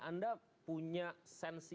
anda punya sense yang sama